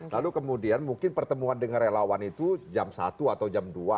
lalu kemudian mungkin pertemuan dengan relawan itu jam satu atau jam dua